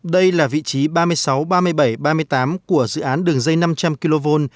đây là vị trí ba mươi sáu ba mươi bảy ba mươi tám của dự án đường dây năm trăm linh kv